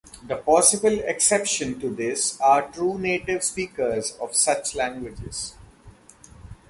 The possible exception to this are true native speakers of such languages.